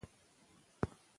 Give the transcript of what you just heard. حکومت باید دا حق تامین کړي.